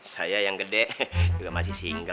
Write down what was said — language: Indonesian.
saya yang gede juga masih singgah